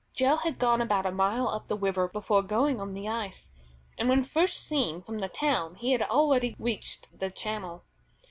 Joe had gone about a mile up the river before going on the ice, and when first seen from the town he had already reached the channel.